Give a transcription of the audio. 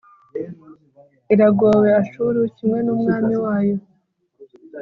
Iragowe Ashuru, kimwe n’umwami wayo